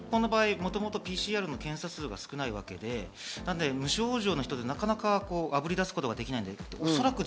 日本の場合、もともとＰＣＲの検査数が少ないわけで、無症状の人であぶり出すことはなかなかできない。